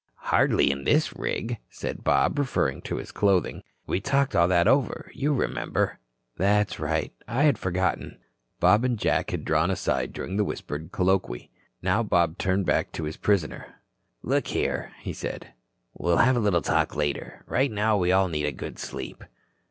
"Hardly in this rig," said Bob, referring to his clothing. "We talked all that over, you remember." "That's right. I had forgotten." Bob and Jack had drawn aside during the whispered colloquy. Now Bob turned back to his prisoner. "Look here," he said. "We'll have a little talk later. Right now we all need a good sleep."